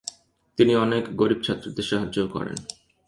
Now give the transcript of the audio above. তিনি অনেক গরীব ছা্ত্রদের সাহায্যও করেন ।